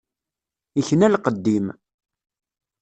Ikna lqedd-im.